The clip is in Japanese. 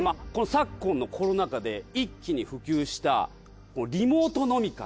昨今のコロナ禍で一気に普及したリモート飲み会